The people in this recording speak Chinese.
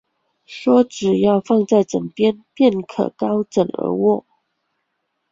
说只要放在枕边，便可高枕而卧